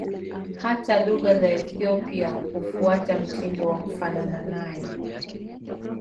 Hata lugha za Ethiopia hufuata mtindo wa kufanana nayo.